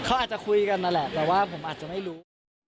เขาอาจจะคุยกันนั่นแหละแต่ว่าผมอาจจะไม่รู้